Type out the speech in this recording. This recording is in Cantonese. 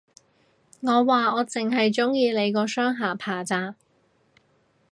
我話，我剩係鍾意你個雙下巴咋